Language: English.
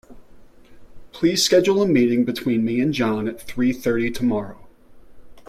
Please schedule a meeting between me and John at three thirty tomorrow.